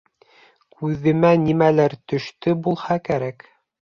Күҙемә нимәлер төштө булһа кәрәк